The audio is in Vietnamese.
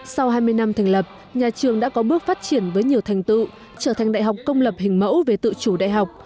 sau hai mươi năm thành lập nhà trường đã có bước phát triển với nhiều thành tựu trở thành đại học công lập hình mẫu về tự chủ đại học